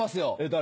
誰？